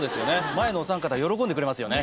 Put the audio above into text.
前のお三方喜んでくれますよね。